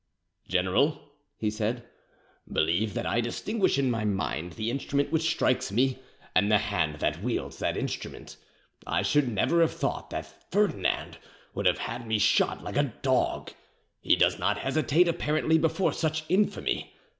"General," he said, "believe that I distinguish in my mind the instrument which strikes me and the hand that wields that instrument. I should never have thought that Ferdinand would have had me shot like a dog; he does not hesitate apparently before such infamy.